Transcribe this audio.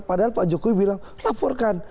padahal pak jokowi bilang laporkan